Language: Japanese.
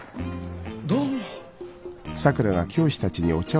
どうも。